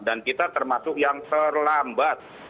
dan kita termasuk yang terlambat